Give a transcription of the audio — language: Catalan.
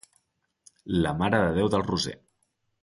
La Mare de Déu del Roser.